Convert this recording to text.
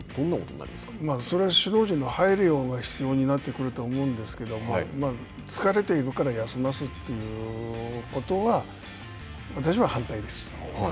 それは首脳陣の配慮が必要になってくると思うんですけども疲れているから休ませるということは私は反対です。